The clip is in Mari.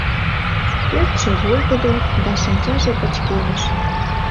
Пӧртшӧ волгыдо, да шинчаже пычкемыш.